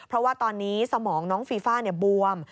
เพราะว่าตอนนี้สมองน้องฟีฟ่าบวม